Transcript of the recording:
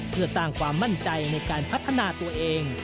เพื่อสร้างความมั่นใจในการพัฒนาตัวเอง